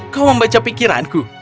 kau membaca pikiranku